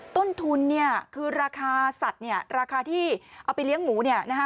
ต้นทุนคือราคาสัตว์ราคาที่เอาไปเลี้ยงหมู